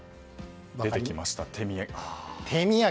出てきました、手土産。